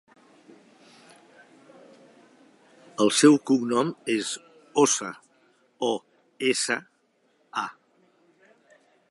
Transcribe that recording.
El seu cognom és Osa: o, essa, a.